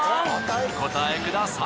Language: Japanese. お答えください！